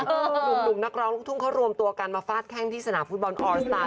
หนุ่มนักร้องลูกทุ่งเขารวมตัวกันมาฟาดแข้งที่สนามฟุตบอลออสตาร์